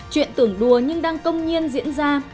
chuyện tưởng đùa nhưng đang công nhiên diễn ra